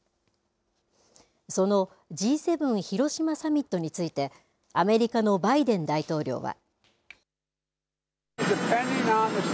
そのＧ７、広島サミットについてアメリカのバイデン大統領は。